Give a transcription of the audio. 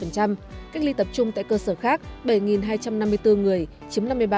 cách ly tập trung tại cơ sở khác bảy hai trăm năm mươi bốn người chiếm năm mươi ba